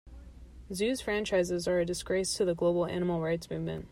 Zoos franchises are a disgrace to the global animal rights movement.